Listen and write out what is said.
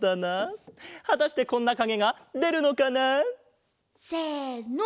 はたしてこんなかげがでるのかな？せの！